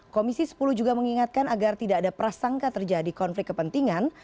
komisi sepuluh juga mengingatkan agar tidak ada prasangka terjadi konflik kepentingan